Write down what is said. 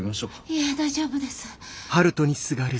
いえ大丈夫です。